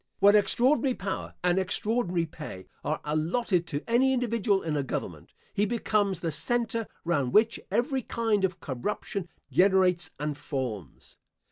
When extraordinary power and extraordinary pay are allotted to any individual in a government, he becomes the center, round which every kind of corruption generates and forms.